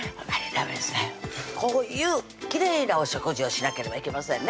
こういうきれいなお食事をしなければいけませんね